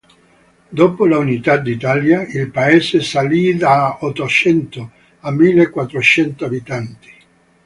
Dopo l'unità d'Italia, il paese salì da ottocento a mille quattrocento abitanti.